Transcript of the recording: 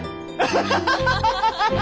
ハハハハハハ。